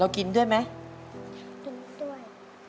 กินด้วยไหมกินด้วย